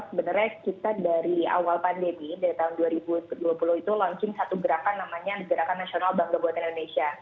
sebenarnya kita dari awal pandemi dari tahun dua ribu dua puluh itu launching satu gerakan namanya gerakan nasional bangga buatan indonesia